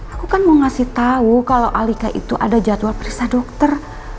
aku kan mau ngasih tahu kalau alika itu ada jadwal periksa dokter